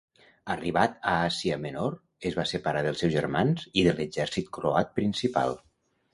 Arribat a Àsia Menor es va separar dels seus germans i de l'exèrcit croat principal.